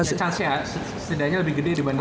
chance nya setidaknya lebih gede dibandingkan